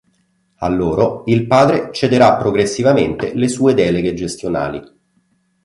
A loro il padre cederà progressivamente le sue deleghe gestionali.